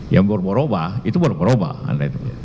yang berubah ubah itu berubah ubah